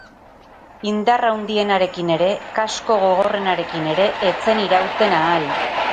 Indar handienarekin ere, kasko gogorrenarekin ere, ez zen irauten ahal.